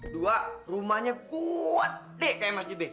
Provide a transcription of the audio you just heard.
dua rumahnya kuuut dek kayak masjid be